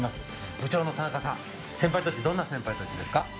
部長の田中さん、どんな先輩たちですか？